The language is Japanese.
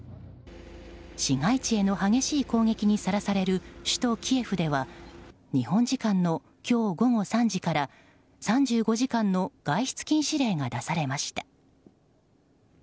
市街地への激しい攻撃にさらされる首都キエフでは日本時間の今日午後３時から３５時間の外出禁止令が出されました。